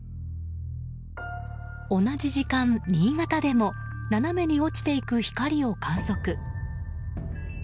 同じ時間、新潟でも斜めに落ちていく光を観測。